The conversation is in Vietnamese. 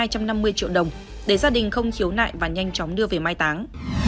triệu đồng để gia đình không khiếu nại và nhanh chóng đưa về mai táng